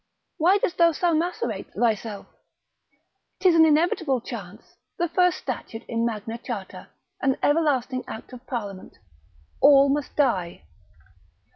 Why dost thou so macerate thyself? 'Tis an inevitable chance, the first statute in Magna Charta, an everlasting Act of Parliament, all must die.